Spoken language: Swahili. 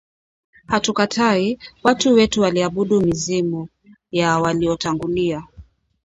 Hatukatai, watu wetu waliabudu mizimu ya waliowatangulia